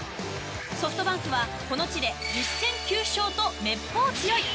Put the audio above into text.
ソフトバンクはこの地で１０戦９勝とめっぽう強い。